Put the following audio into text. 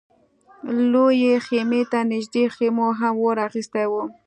لويې خيمې ته نږدې خيمو هم اور اخيستی و.